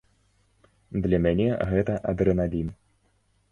Для мяне гэта адрэналін.